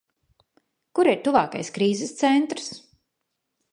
Kur ir tuvākais krīzes centrs?